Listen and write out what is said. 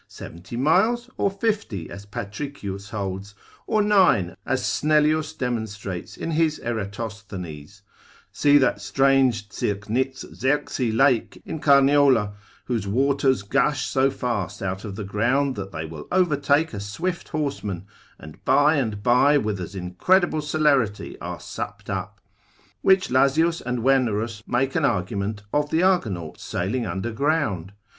70 miles, or 50 as Patricius holds, or 9 as Snellius demonstrates in his Eratosthenes: see that strange Cirknickzerksey lake in Carniola, whose waters gush so fast out of the ground, that they will overtake a swift horseman, and by and by with as incredible celerity are supped up: which Lazius and Wernerus make an argument of the Argonauts sailing under ground.